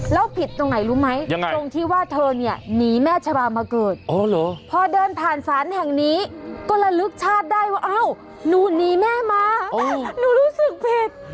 แล้วผิดตรงไหนรู้ไหมตรงที่ว่าเธอเนี่ยหนีแม่ชะบามาเกิดพอเดินผ่านศาลแห่งนี้ก็ระลึกชาติได้ว่าอ้าวหนูหนีแม่มาหนูรู้สึกผิด